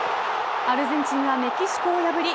アルゼンチンがメキシコを破り